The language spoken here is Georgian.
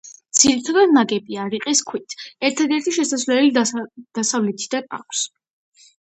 ძირითადად ნაგებია რიყის ქვით, ერთადერთი შესასვლელი დასავლეთიდან აქვს.